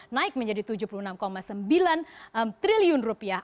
naik menjadi tujuh puluh enam sembilan triliun rupiah